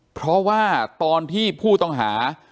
เพราะว่าตอนที่ผู้ต้องหา